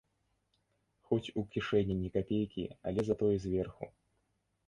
Хоць у кішэні ні капейкі, але затое зверху!